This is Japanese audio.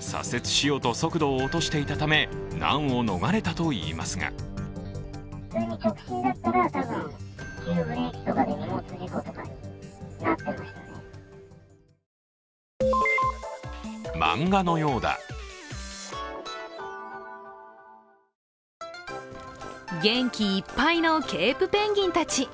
左折しようと速度を落としていたため難を逃れたといいますが元気いっぱいのケープペンギンたち。